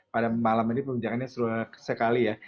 pada malam ini perbincangannya sekali ya